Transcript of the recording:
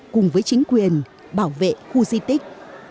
cùng với chính quyền bảo vệ khu di tích